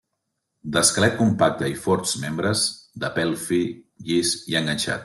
D'esquelet compacte i forts membres; de pèl fi, llis i enganxat.